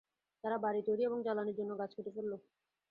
তারা বাড়ি তৈরি এবং জ্বালানির জন্য গাছ কেটে ফেললো।